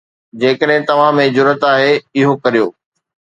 جيڪڏهن توهان ۾ جرئت آهي، اهو ڪريو